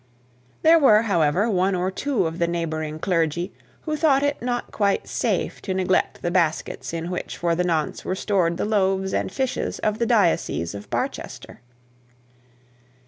There were, however, one or two of the neighbouring clergy who thought it not quite safe to neglect the baskets in which for the nonce were stored the loaves and fishes of the diocese of Barchester.